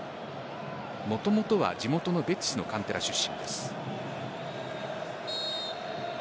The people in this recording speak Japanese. もともとは地元のベティスのカンテラ出身です。